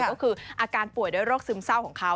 ก็คืออาการป่วยด้วยโรคซึมเศร้าของเขา